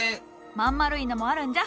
真ん丸いのもあるんじゃ。